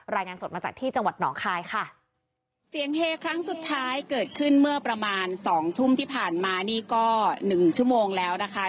รายงานสดมาจากที่จังหวัดหนองคายค่ะเสียงเฮครั้งสุดท้ายเกิดขึ้นเมื่อประมาณสองทุ่มที่ผ่านมานี่ก็หนึ่งชั่วโมงแล้วนะคะ